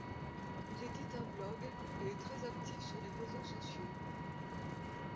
Il édite un blog et est très actif sur les réseaux sociaux.